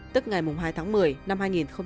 tức ngày hai tháng một mươi năm hai nghìn hai mươi